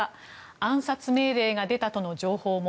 暗殺命令が出たとの情報も。